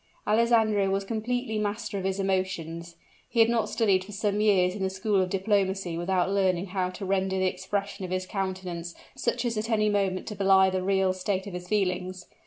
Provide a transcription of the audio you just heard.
Alessandro was completely master of his emotions; he had not studied for some years in the school of diplomacy without learning how to render the expression of his countenance such as at any moment to belie the real state of his feelings.